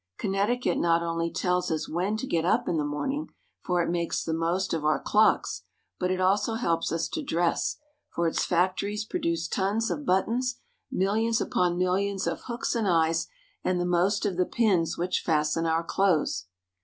Connecticut not only tells us when to get up in the morning, for it makes the most of our clocks, but it also helps us to dress, for its factories produce tons of buttons, millions upon millions of hooks and eyes, and the most of the pins which fasten our clothes.